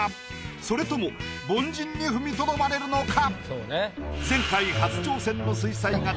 それとも凡人に踏みとどまれるのか？